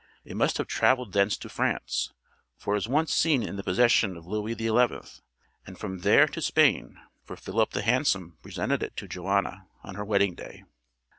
It must have travelled thence to France, for it was seen once in the possession of Louis XI; and from there to Spain, for Philip The Handsome presented it to Joanna on her wedding day.